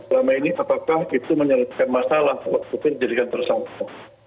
selama ini apakah itu menyebabkan masalah untuk menjadikan tersangkar